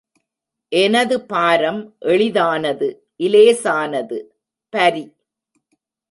எனது பாரம் எளிதானது இலேசானது. பரி.